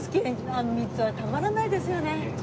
あんみつはたまらないですよね。